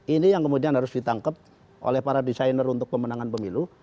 ini yang kemudian harus ditangkep oleh para desainer untuk pemenangan pemilu